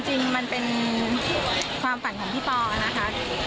จริงมันเป็นความฝันของพี่ปอนะคะ